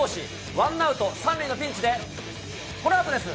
ワンアウト３塁のピンチで、このあとです。